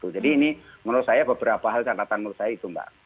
jadi ini menurut saya beberapa hal catatan menurut saya itu mbak